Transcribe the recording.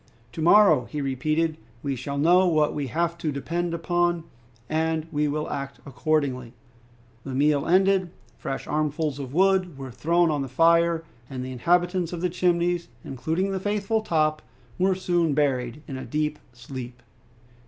"To morrow," he repeated, "we shall know what we have to depend upon, and we will act accordingly." The meal ended, fresh armfuls of wood were thrown on the fire, and the inhabitants of the Chimneys, including the faithful Top, were soon buried in a deep sleep.